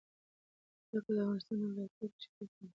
جلګه د افغانستان د ولایاتو په کچه توپیر لري.